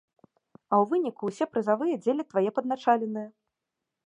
А ў выніку ўсе прызавыя дзеляць твае падначаленыя!